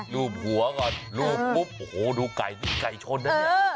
รูปหัวก่อนรูปปุ๊บโอ้โหดูไก่นี่ไก่ชนนะเนี่ย